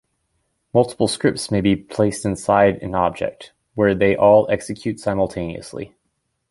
Multiple scripts may be placed inside an object, where they all execute simultaneously.